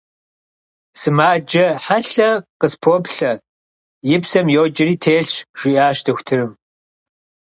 – Сымаджэ хьэлъэ къыспоплъэ: и псэм йоджэри телъщ, - жиӏащ дохутырым.